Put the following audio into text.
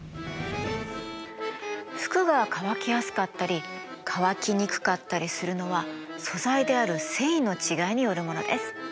服が乾きやすかったり乾きにくかったりするのは素材である繊維の違いによるものです。